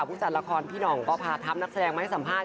ผู้จัดละครพี่หน่องก็พาทัพนักแสดงมาให้สัมภาษณ